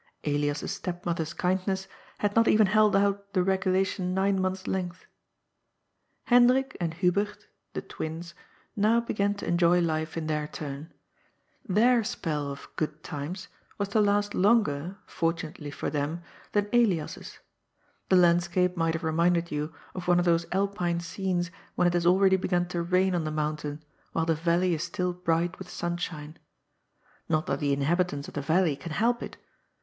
Elias's stepmother's kindness had not even held out the regulation nine months' length. Hendrik and Hubert, the twins, now began to enjoy life in their turn ; their spell of " good times " was to last longer, fortunately for them, than Elias's. The landscape might have reminded you of one of those Alpine scenes when it has already begun to rain on the mountain, while the valley is still bright with sunshine. Not that the inhabitants of the valley can help it.